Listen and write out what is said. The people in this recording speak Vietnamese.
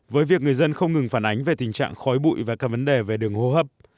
với việc người dân không ngừng phản ánh về tình trạng khói bụi và các vấn đề về đường hô hấp